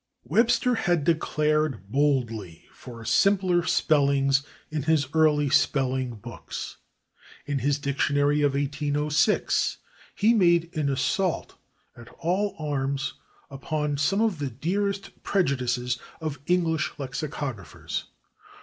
Webster had declared boldly for simpler spellings in his early spelling books; in his dictionary of 1806 he made an assault at all arms upon some of the dearest prejudices of English lexicographers.